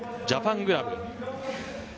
ジャパングラブ。